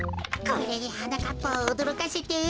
これではなかっぱをおどろかせて。